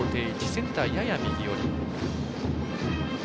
センターはやや右寄り。